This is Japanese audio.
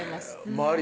周り